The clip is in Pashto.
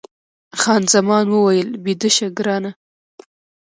خان زمان وویل، بیده شه ګرانه.